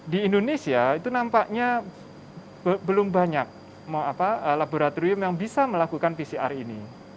di indonesia itu nampaknya belum banyak laboratorium yang bisa melakukan pcr ini